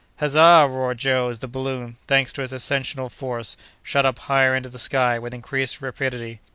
"Huzza!" roared Joe, as the balloon—thanks to its ascensional force—shot up higher into the sky, with increased rapidity.